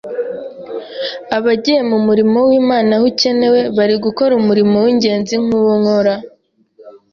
Abagiye mu murimo w’Imana aho ukenewe, bari gukora umurimo w’ingenzi nk’uwo nkora